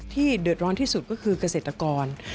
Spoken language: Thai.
เดือดร้อนที่สุดก็คือเกษตรกร